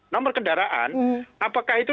nomor kendaraan apakah itu